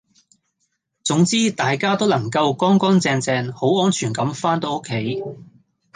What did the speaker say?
總之大家都能夠乾乾淨淨好安全咁番到屋企